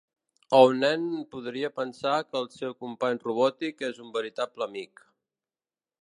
O un nen podria pensar que el seu company robòtic és un veritable amic.